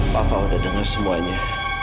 papa udah dengar semuanya